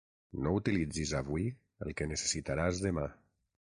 No utilitzis avui el que necessitaràs demà.